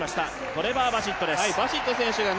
トレバー・バシット選手です。